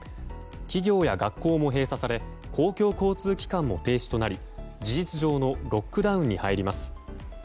企業や学校も閉鎖され公共交通機関も停止となり事実上のロックダウンに入ります。